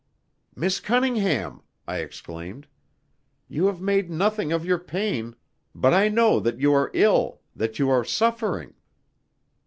"Miss Cunningham!" I exclaimed. "You have made nothing of your pain, but I know that you are ill that you are suffering."